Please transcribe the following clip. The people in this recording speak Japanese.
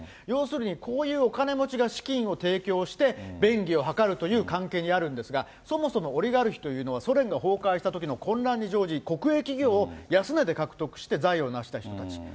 要するにこういうお金持ちが資金を提供して便宜を図るという関係にあるんですが、そもそもオリガルヒというのは、ソ連が崩壊したときの混乱に乗じ、国営企業を安値で獲得して、財を成した人たち。